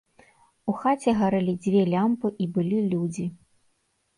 У хаце гарэлі дзве лямпы і былі людзі.